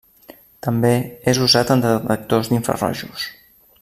També és usat en detectors d'infrarojos.